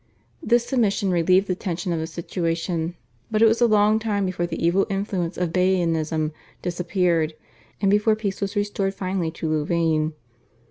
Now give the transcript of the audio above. This submission relieved the tension of the situation, but it was a long time before the evil influence of Baianism disappeared, and before peace was restored finally to Louvain.